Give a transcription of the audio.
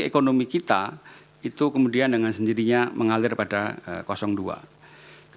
ekonomi kita itu kemudian dengan sendirinya mengalir pada dua